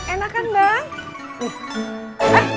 enak kan bang